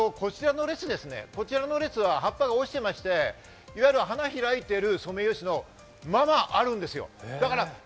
ただこちらのやつは葉っぱが落ちてまして、いわゆる花開いてるソメイヨシノ、まだあるんですよ。